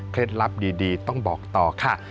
เคล็ดลับดีต้องบอกต่อค่ะ